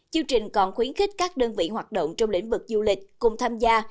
chương trình còn khuyến khích các đơn vị hoạt động trong lĩnh vực du lịch cùng tham gia